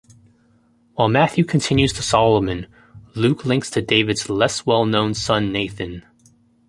While Matthew continues to Solomon, Luke links to David's less well known son Nathan.